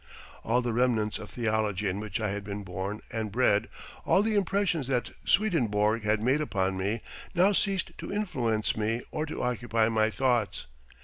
All the remnants of theology in which I had been born and bred, all the impressions that Swedenborg had made upon me, now ceased to influence me or to occupy my thoughts.